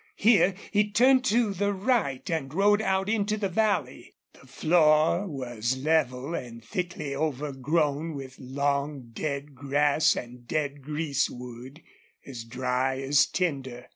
Here he turned to the right and rode out into the valley. The floor was level and thickly overgrown with long, dead grass and dead greasewood, as dry as tinder.